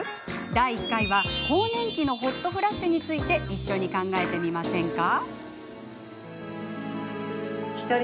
第１回は、更年期のホットフラッシュについて一緒に考えてみませんか？